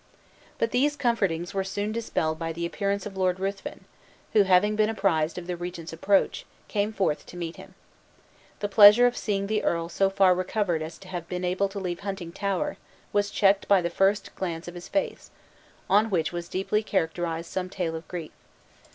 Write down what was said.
But these comfortings were soon dispelled by the appearance of Lord Ruthven, who (having been apprised of the regent's approach) came forth to meet him. The pleasure of seeing the earl so far recovered as to have been able to leave Huntingtower, was checked by the first glance of his face, on which was deeply characterized some tale of grief.